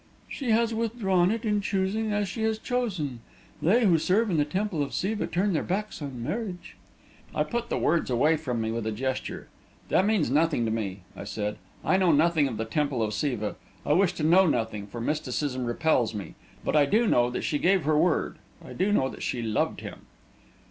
"She has withdrawn it in choosing as she has chosen. They who serve in the temple of Siva turn their backs on marriage." I put the words away from me with a gesture. "That means nothing to me," I said. "I know nothing of the temple of Siva. I wish to know nothing, for mysticism repels me. But I do know that she gave her word; I do know that she loved him."